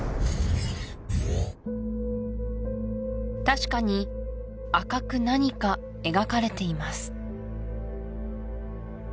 確かに赤く何か描かれています